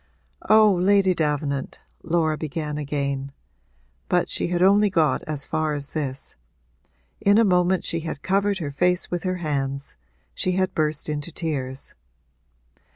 'Oh, Lady Davenant,' Laura began again, but she only got as far as this; in a moment she had covered her face with her hands she had burst into tears.